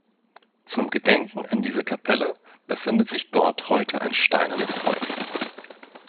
Zum Gedenken an diese Kapelle befindet sich dort heute ein steinernes Kreuz.